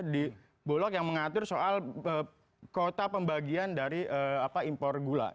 di bulog yang mengatur soal kuota pembagian dari impor gula